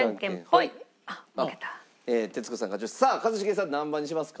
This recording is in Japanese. さあ一茂さん何番にしますか？